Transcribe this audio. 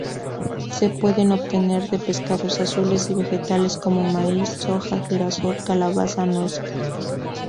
Se pueden obtener de pescados azules y vegetales como maíz, soja, girasol, calabaza, nueces.